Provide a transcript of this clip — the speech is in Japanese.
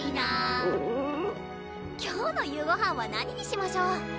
今日の夕ごはんは何にしましょう？